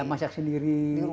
ya masak sendiri